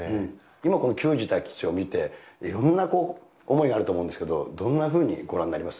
今、この球児たちを見て、いろんな思いがあると思うんですけど、どんなふうにご覧になります？